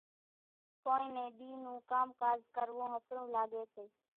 ڪونئين نين ۮِي نون ڪام ڪاز ڪروون ۿڦرون لاڳيَ سي۔